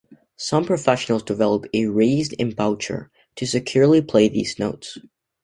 Some professionals develop a "raised embouchure" to securely play these notes.